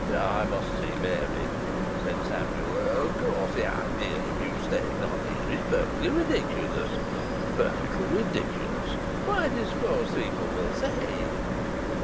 "I must see Mary," said Samuel. "Of course the idea of you staying on here is perfectly ridiculous, perfectly ridiculous. What do you suppose people will say?"